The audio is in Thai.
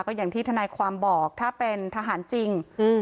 ก็อย่างที่ทนายความบอกถ้าเป็นทหารจริง